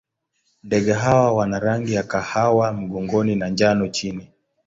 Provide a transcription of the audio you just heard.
Ndege hawa wana rangi ya kahawa mgongoni na njano chini.